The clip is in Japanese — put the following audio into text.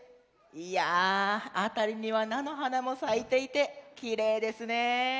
いやあたりにはなのはなもさいていてきれいですね。